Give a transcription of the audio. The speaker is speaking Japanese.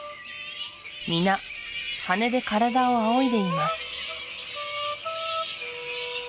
皆羽で体をあおいでいます